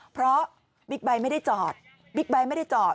เพราะบิ๊กไบท์ไม่ได้จอดบิ๊กไบท์ไม่ได้จอด